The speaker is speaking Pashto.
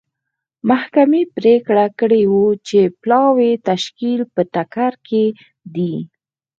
محکمې پرېکړه کړې وه چې پلاوي تشکیل په ټکر کې دی.